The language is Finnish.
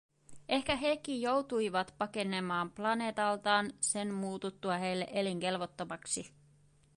Ehkä hekin joutuivat pakenemaan planeetaltaan sen muututtua heille elinkelvottomaksi.